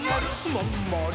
まんまる。